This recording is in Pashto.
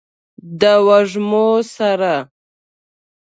د وږمو سره